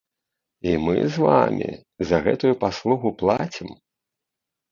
І мы з вамі за гэтую паслугу плацім.